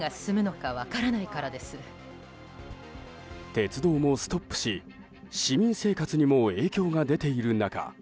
鉄道もストップし市民生活にも影響が出ている中